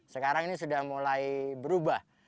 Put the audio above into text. sekarang ini sudah mulai berubah